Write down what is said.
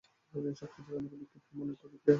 সবকিছুই আমার বিক্ষিপ্ত মনের প্রতিক্রিয়া!